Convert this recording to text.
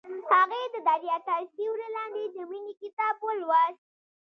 هغې د دریا تر سیوري لاندې د مینې کتاب ولوست.